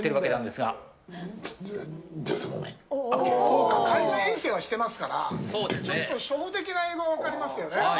そっか海外遠征はしていますから初歩的な英語は分かりますよね。